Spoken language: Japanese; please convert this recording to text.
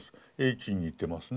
「ｈ」に似てますね。